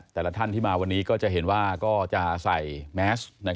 แต่ละท่านที่มาวันนี้ก็จะเห็นว่าก็จะใส่แมส